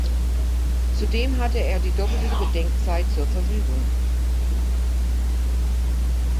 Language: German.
Zudem hatte er die doppelte Bedenkzeit zur Verfügung.